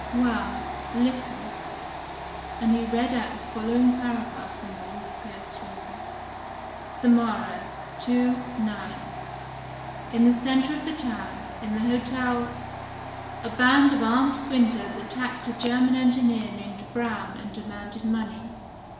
Well, listen," and he read out the following paragraph from the Rouskoe Slovo: "Samara, II, ix. In the centre of the town, in the Hotel , a band of armed swindlers attacked a German engineer named Braun and demanded money.